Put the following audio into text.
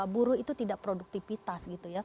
buruh itu tidak produktivitas